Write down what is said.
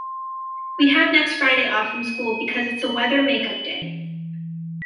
We have next friday off from school because it's a weather make-up day.